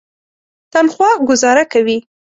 تنخوا ګوزاره کوي.